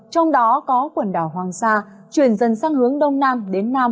trong đó có quần đảo hoàng sa chuyển dần sang hướng đông nam đến nam